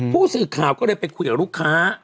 ผู้สื่อข่าวก็เลยไปคุยกับลูกค้า